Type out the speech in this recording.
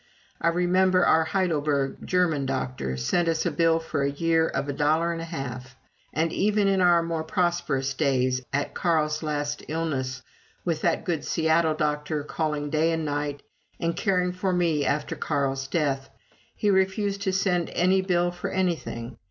I remember our Heidelberg German doctor sent us a bill for a year of a dollar and a half. And even in our more prosperous days, at Carl's last illness, with that good Seattle doctor calling day and night, and caring for me after Carl's death, he refused to send any bill for anything.